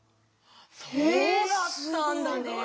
そうだったんだね。